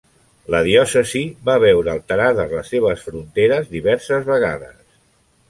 La diòcesi va veure alterades les seves fronteres diverses vegades.